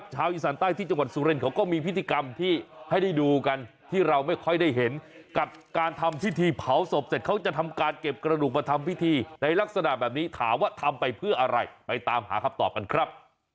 ชาวอีสานใต้ที่จังหวัดสุรินเขาก็มีพิธีกรรมที่ให้ได้ดูกันที่เราไม่ค่อยได้เห็นกับการทำพิธีเผาศพเสร็จเขาจะทำการเก็บกระดูกมาทำพิธีในลักษณะแบบนี้ถามว่าทำไปเพื่ออะไรไปตามหาคำตอบกันครับ